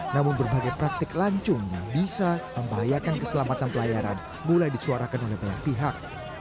namun berbagai praktik lancung yang bisa membahayakan keselamatan pelayaran mulai disuarakan oleh banyak pihak